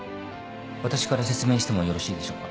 私から説明してもよろしいでしょうか。